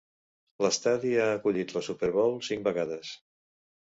L'estadi ha acollit la Super Bowl cinc vegades.